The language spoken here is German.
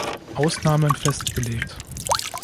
Ausnahmen festgelegt.